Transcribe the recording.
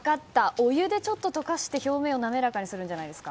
お湯でちょっと解かして表面を滑らかにするんじゃないですか？